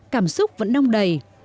cảm xúc vẫn nông đầy